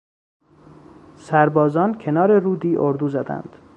سربازان کنار رودی اردو زدند.